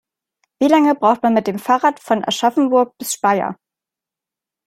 Wie lange braucht man mit dem Fahrrad von Aschaffenburg bis Speyer?